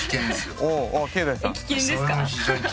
え危険ですか？